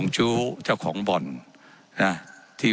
ว่าการกระทรวงบาทไทยนะครับ